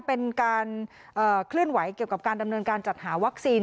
เป็นการเคลื่อนไหวเกี่ยวกับการดำเนินการจัดหาวัคซีน